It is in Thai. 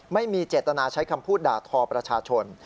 ไม่มีเจตนาใช้คำพูดด่าทอประชาชน